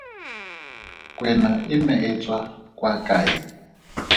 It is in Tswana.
Kwena e ne e tswa kwa kae?